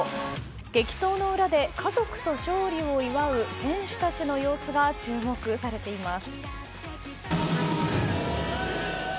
激闘の裏で、家族と勝利を祝う選手たちの様子が注目されています。